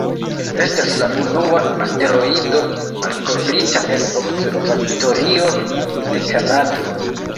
Estas la unua asteroido malkovrita en observatorio de Kanado.